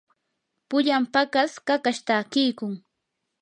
pullan paqas kakash takiykun.